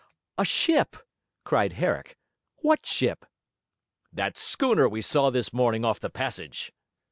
'A ship?' cried Herrick. 'What ship?' 'That schooner we saw this morning off the passage.'